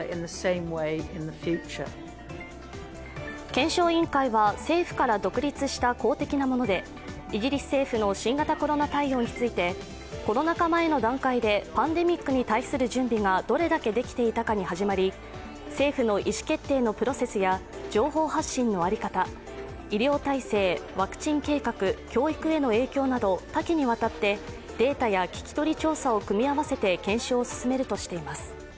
検証委員会は政府から独立した公的なものでイギリス政府の新型コロナ対応についてコロナ禍前の段階でパンデミックに対する準備がどれだけできていたかに始まり政府の意思決定のプロセスや情報発信の在り方、医療体制、ワクチン計画、教育への影響など多岐にわたってデータや聞き取り調査を組み合わせて検証を進めるとしています。